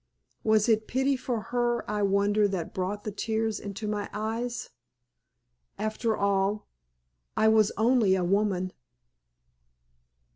Was it pity for her I wonder that brought the tears into my eyes? After all, I was only a woman.